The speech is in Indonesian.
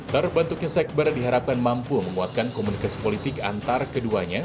taruh bentuknya sekber diharapkan mampu membuatkan komunikasi politik antar keduanya